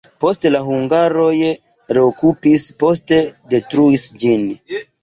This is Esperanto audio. Poste la hungaroj reokupis, poste detruis ĝin.